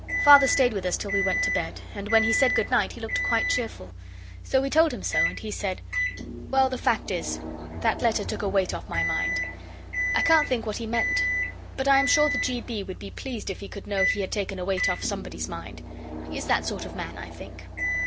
Father stayed with us till we went to bed, and when he said good night he looked quite cheerful. So we told him so, and he said 'Well, the fact is, that letter took a weight off my mind.' I can't think what he meant but I am sure the G. B. would be pleased if he could know he had taken a weight off somebody's mind. He is that sort of man, I think.